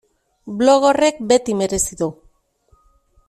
Blog horrek beti merezi du.